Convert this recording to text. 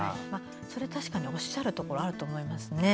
それ確かにおっしゃるところがあると思いますね。